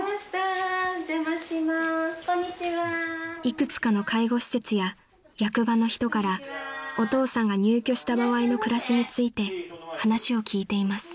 ［いくつかの介護施設や役場の人からお父さんが入居した場合の暮らしについて話を聞いています］